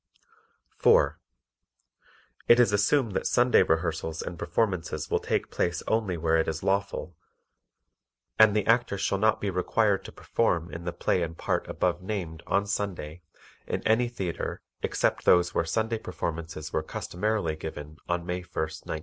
(4) It is assumed that Sunday rehearsals and performances will take place only where it is lawful, and the Actor shall not be required to perform in the play and part above named on Sunday in any theatre except those where Sunday performances were customarily given on May 1, 1924.